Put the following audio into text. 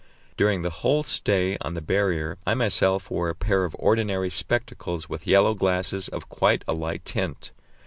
During the whole stay on the Barrier I myself wore a pair of ordinary spectacles with yellow glasses of quite a light tint.